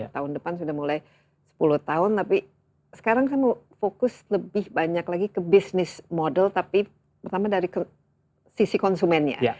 tahun depan sudah mulai sepuluh tahun tapi sekarang kan fokus lebih banyak lagi ke bisnis model tapi pertama dari sisi konsumennya